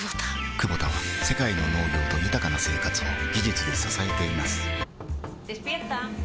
クボタは世界の農業と豊かな生活を技術で支えています起きて。